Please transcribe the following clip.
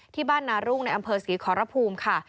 ที่บ้านนารุ่งในอำเภอศรีขอรภูมิค่ะ